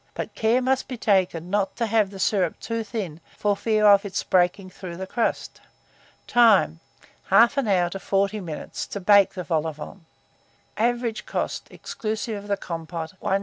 but care must be taken not to have the syrup too thin, for fear of its breaking through the crust. Time. 1/2 hour to 40 minutes to bake the vol au vent. Average cost, exclusive of the compôte, 1s.